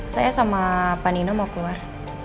saya sama panino mau keluar